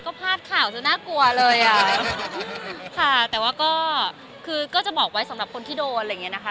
ก็พลาดข่าวจะน่ากลัวเลยอ่ะค่ะแต่ว่าก็คือก็จะบอกไว้สำหรับคนที่โดนอะไรอย่างเงี้นะคะ